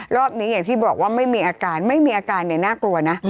รอบนี้อย่างที่บอกว่าไม่มีอาการไม่มีอาการเนี่ยน่ากลัวนะ